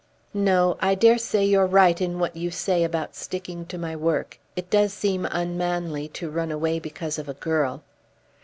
"No. I dare say you're right in what you say about sticking to my work. It does seem unmanly to run away because of a girl."